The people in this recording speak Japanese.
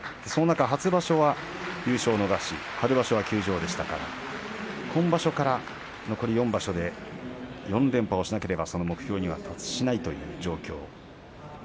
初場所は優勝を逃し春場所は休場でしたから今場所から残り４場所で４連覇をしなければその目標には到達しないという状況です。